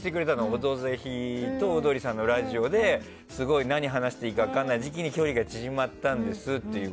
「オドぜひ」とオードリーさんのラジオで何を話していいか分からない時期に距離が縮まったんですって。